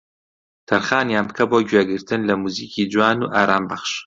تەرخانیان بکە بۆ گوێگرتن لە موزیکی جوان و ئارامبەخش